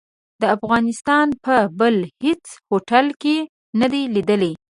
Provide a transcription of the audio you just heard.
د افغانستان په بل هيڅ هوټل کې نه دي ليدلي.